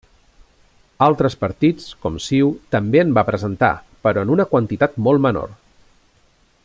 Altres partits, com CiU, també en va presentar, però en una quantitat molt menor.